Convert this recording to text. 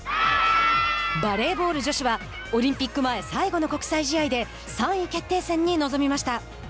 バレーボール女子はオリンピック前最後の国際試合で３位決定戦に臨みました。